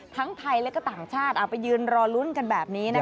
ทั้งไทยและก็ต่างชาติไปยืนรอลุ้นกันแบบนี้นะคะ